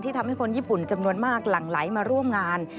ทำให้คนญี่ปุ่นจำนวนมากหลั่งไหลมาร่วมงาน